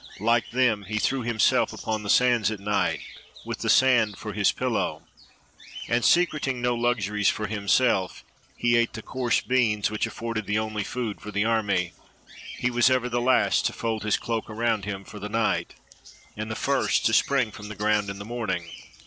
Like them, he threw himself upon the sands at night, with the sand for his pillow, and, secreting no luxuries for himself, he ate the coarse beans which afiforded the only food for the army. He was ever the last to fold his cloak around him for the night, and the first to spring from the ground in the morning.